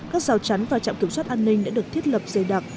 các rào chắn và trạm kiểm soát an ninh đã được thiết lập dày đặc